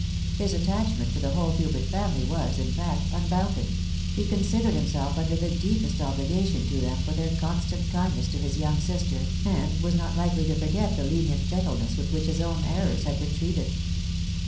His attachment to the whole Hubert family was, in fact, un bounded ; he considered hinMelf under the deepest obhgation to them for their constant kindness to his young sister, and was not hkely to forget the lenient gentleness with which his own errors had been treated.